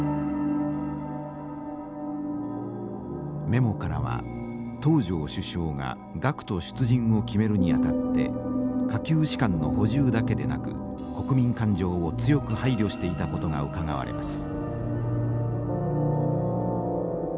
メモからは東條首相が学徒出陣を決めるにあたって下級士官の補充だけでなく国民感情を強く配慮していたことがうかがわれます。